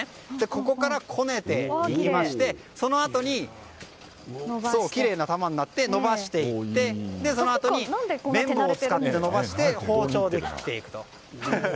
ここからこねていきましてそのあとにきれいな玉になって伸ばしていってそのあとに麺棒を使って伸ばして包丁で切っていくと。